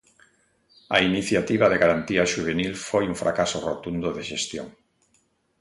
A Iniciativa de Garantía Xuvenil foi un fracaso rotundo de xestión.